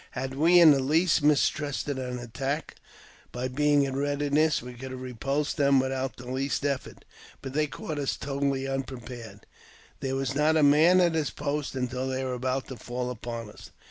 Had we in the least mistrusted; an attack, by being in readiness we could have repulsed them without the least effort. But they caught us totally unpre pared ; there was not a man at his post until they were about] to fall upon us.